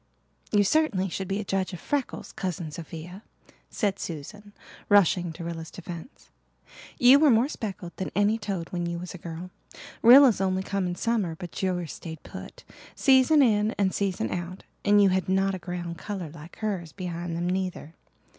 "You certainly should be a judge of freckles, Cousin Sophia," said Susan, rushing to Rilla's defence. "You were more speckled than any toad when you was a girl. Rilla's only come in summer but yours stayed put, season in and season out; and you had not a ground colour like hers behind them neither.